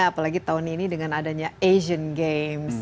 apalagi tahun ini dengan adanya asian games